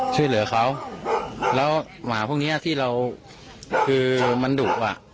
ช่วยเหลือเขาแล้วหมาพวกเนี้ยที่เราคือมันดุอ่ะ